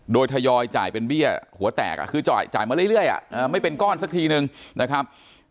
โดยทยอยจ่ายเป็นเบี้ยหัวแตกคือจ่ายมาเรื่อยไม่เป็นก้อนสักทีนึงนะครับ